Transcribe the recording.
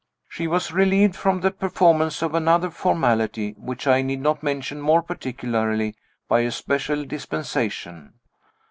She was relieved from the performance of another formality (which I need not mention more particularly) by a special dispensation.